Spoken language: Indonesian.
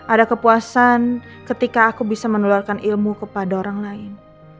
ada kepuasan ketika aku bisa meneluarkan ilmu kepada orang lain